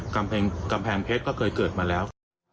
กำแพงเพชรก็เคยเกิดมาแล้ว